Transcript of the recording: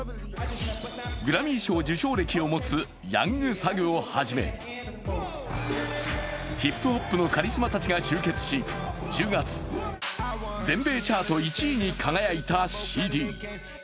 グラミー賞受賞歴を持つヤング・サグをはじめヒップホップのカリスマたちが集結し、１０月全米チャート１位に輝いたＣＤ。